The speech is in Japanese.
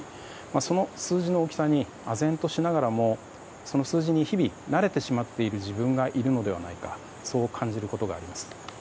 その数字の大きさにあぜんとしながらもその数字に日々慣れてしまっている自分がいるのではないかそう感じることがあります。